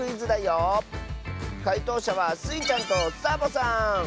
かいとうしゃはスイちゃんとサボさん！